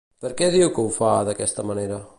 Per què diu que ho fa d'aquesta manera?